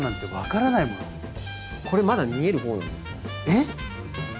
えっ！？